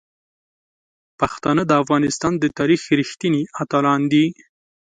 پښتانه د افغانستان د تاریخ رښتیني اتلان دي.